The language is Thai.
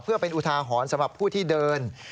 เพื่อเป็นอุทาหรณ์สำหรับผู้ที่เดิน